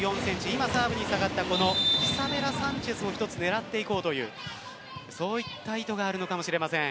今、サーブに下がったイサベラ・サンチェスを狙っていこうというそういった意図があるのかもしれません。